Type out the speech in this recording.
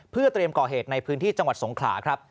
เพื่อเตรียมก่อเหตุในพื้นที่จังหวัดสงขลาครับ